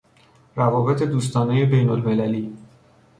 روابط دوستانهی بین المللی